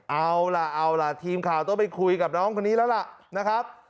เอาล่ะเอาล่ะทีมข่าวต้องไปคุยกับน้องคนนี้แล้วล่ะนะครับ